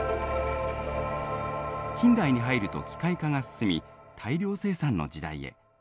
近代に入ると機械化が進み大量生産の時代へ。